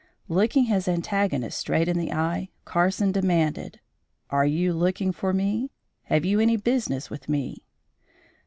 Looking his antagonist straight in the eye, Carson demanded: "Are you looking for me?" "Have you any business with me?"